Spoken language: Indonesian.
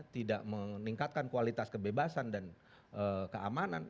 tidak meningkatkan kualitas kebebasan dan keamanan